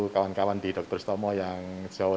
kawan kawan di dr stomo yang jauh